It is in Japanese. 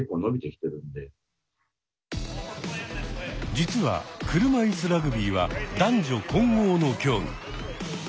実は車いすラグビーは男女混合の競技。